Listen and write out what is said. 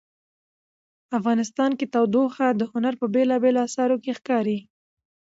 افغانستان کې تودوخه د هنر په بېلابېلو اثارو کې ښکاري.